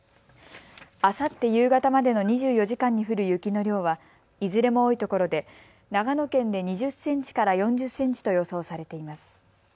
あさって夕方までの２４時間に降る雪の量はいずれも多いところで長野県で２０センチから４０センチと予想されています。